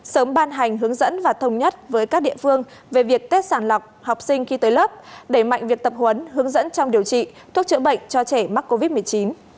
sớm ban hành hướng dẫn và thống nhất với các địa phương về việc tết sản lọc học sinh khi tới lớp đẩy mạnh việc tập huấn hướng dẫn trong điều trị thuốc chữa bệnh cho trẻ mắc covid một mươi chín